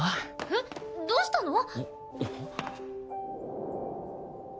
えっどうしたの！？